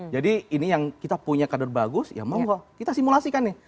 jadi ini yang kita punya kadar bagus ya mau gak kita simulasikan nih